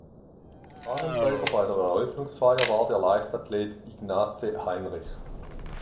Fahnenträger bei der Eröffnungsfeier war der Leichtathlet Ignace Heinrich.